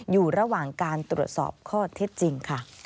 อยู่ระหว่างการตรวจสอบข้อเท็จจริงค่ะ